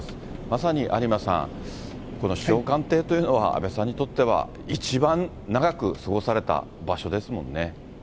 まさに有馬さん、この首相官邸というのは、安倍さんにとっては一番長く過ごされた場所ですもんね。